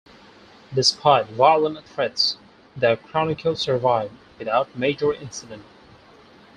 Despite violent threats, the Chronicle survived without major incident.